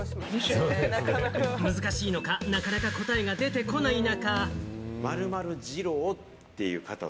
難しいのか、なかなか答えが出てこない中。